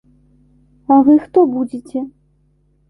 А вы хто будзеце?